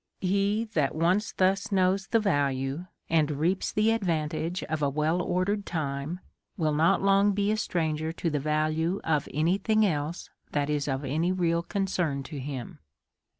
He that once knows the value, and reaps the advan tage of a well ordered time, will not long be a stranger to the value of any thing else that is of any real con cern to him.